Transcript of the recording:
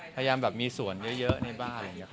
พยายามแบบมีสวนเยอะในบ้าน